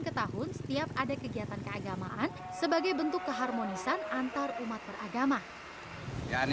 ke tahun setiap ada kegiatan keagamaan sebagai bentuk keharmonisan antar umat beragama ya ini